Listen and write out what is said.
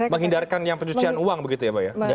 menghindarkan yang pencucian uang begitu ya pak ya